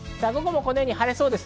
このように晴れそうです。